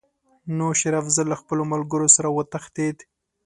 نو شېر افضل له خپلو ملګرو سره وتښتېد.